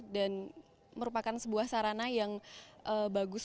dan merupakan sebuah sarana yang bagus